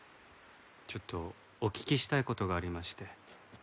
ちょっとお聞きしたい事がありまして。